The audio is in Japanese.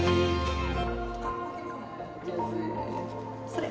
それ！